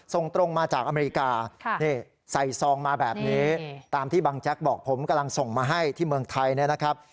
ส่งตรงมาจากอเมริกานี่ใส่ซองมาแบบนี้ตามที่บางแจ๊กบอกผมกำลังส่งมาให้ที่เมืองไทยเนี่ยนะครับ